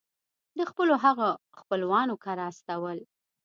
د خپلو هغو خپلوانو کره استول.